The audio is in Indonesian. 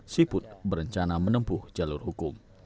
siput berencana menempuh jalur hukum